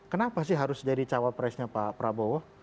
kenapa sih harus jadi cawapresnya pak prabowo